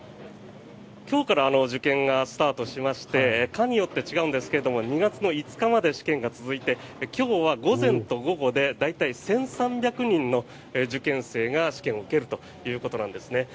今日から受験がスタートしまして科によって違うんですが２月５日まで試験が続いて今日は午前と午後で大体１３００人の受験生が試験を受けるということなんです。